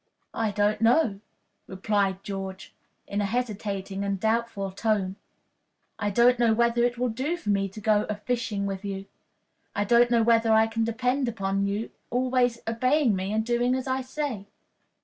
"I don't know," replied George, in a hesitating and doubtful tone. "I don't know whether it will do for me to go a fishing with you. I don't know whether I can depend upon your always obeying me and doing as I say."